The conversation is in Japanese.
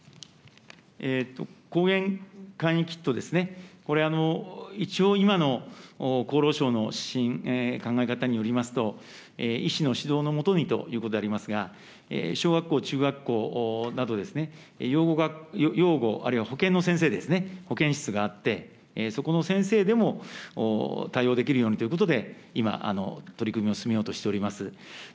抗原簡易キットですね、これ、一応、今の厚労省の指針、考え方によりますと、医師の指導の下にということでありますが、小学校、中学校など、養護、あるいは保健の先生ですね、保健室があって、そこの先生でも対応できるようにということで、今、取り組みを進めようとしております。